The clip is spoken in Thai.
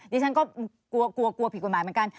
ดิฉันก็กลัวผิดคุณหมายเหมือนกัน